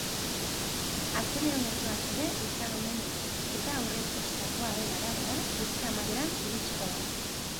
Azelerometroak ere izango omen ditu eta aurrikusitakoaren arabera, urte amaieran iritsiko da.